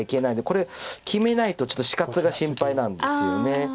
これ決めないとちょっと死活が心配なんですよね。